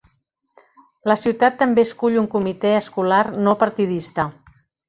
La ciutat també escull un comitè escolar no partidista.